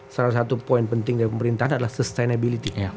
salah satu poin penting dari pemerintahan adalah sustainability